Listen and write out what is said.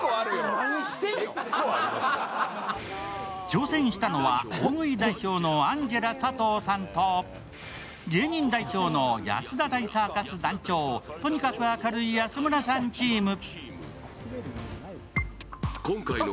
挑戦したのは大食い代表のアンジェラ佐藤さんと芸人代表の安田大サーカス団長、とにかく明るい安村さんチーム。